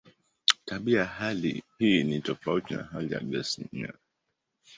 Tabia ya hali hii ni tofauti na hali ya gesi yenyewe.